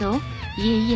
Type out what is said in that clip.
いえいえ。